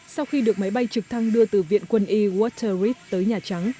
sau khi được máy bay trực thăng đưa từ viện quân y waterfe tới nhà trắng